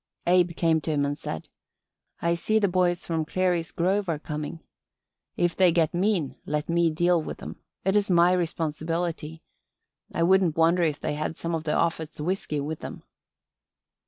Abe came to him and said: "I see the boys from Clary's Grove are coming. If they get mean let me deal with 'em. It's my responsibility. I wouldn't wonder if they had some of Offut's whisky with them."